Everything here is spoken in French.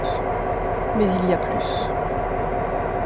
Mais il y a plus.